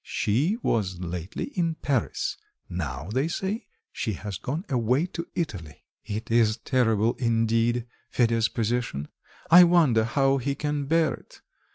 "She was lately in Paris; now, they say, she has gone away to Italy." "It is terrible, indeed Fedya's position; I wonder how he can bear it.